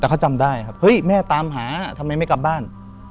แต่เขาจำได้ครับเฮ้ยแม่ตามหาทำไมไม่กลับบ้าน